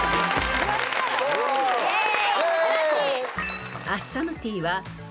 イェーイ。